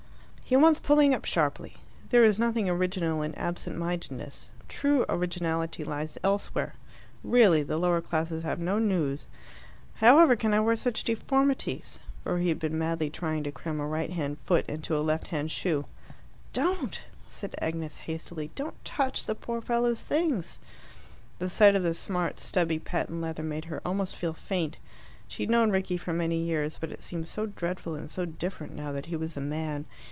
"He wants pulling up sharply. There is nothing original in absent mindedness. True originality lies elsewhere. Really, the lower classes have no nous. However can I wear such deformities?" For he had been madly trying to cram a right hand foot into a left hand shoe. "Don't!" said Agnes hastily. "Don't touch the poor fellow's things." The sight of the smart, stubby patent leather made her almost feel faint. She had known Rickie for many years, but it seemed so dreadful and so different now that he was a man.